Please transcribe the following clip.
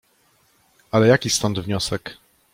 "Ale jaki stąd wniosek?"